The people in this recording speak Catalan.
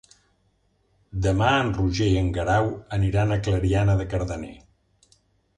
Demà en Roger i en Guerau aniran a Clariana de Cardener.